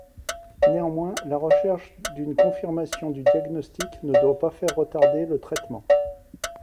Néanmoins, la recherche d'une confirmation du diagnostic ne doit pas faire retarder le traitement.